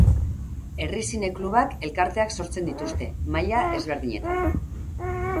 Herri zine-klubak elkarteak sortzen dituzte, maila ezberdinetan.